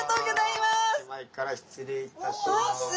前から失礼いたします。